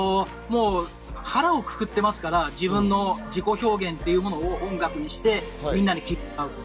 腹をくくっていますから、自分の自己表現というものを音楽にして、みんなに聞いてもらう。